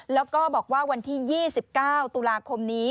แล้วก็บอกว่าวันที่๒๙ตุลาคมนี้